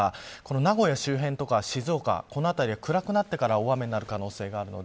名古屋周辺や静岡、この辺りは暗くなってから大雨になる可能性があります。